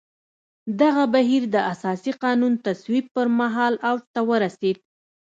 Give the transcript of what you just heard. دغه بهیر د اساسي قانون تصویب پر مهال اوج ته ورسېد.